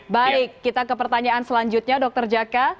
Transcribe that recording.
baik kita ke pertanyaan selanjutnya dokter jaka